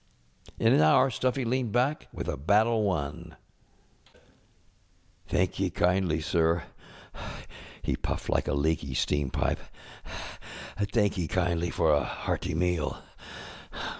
In an hour Stuffy leaned back with a battle won. 'thankee kindly, sir, ŌĆØ he puffed like a leaky steam pipe; ŌĆ£thankee kindly for a hearty meal.